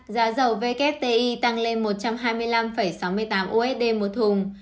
giá dầu wti tăng lên một trăm hai mươi năm sáu mươi tám usd một thùng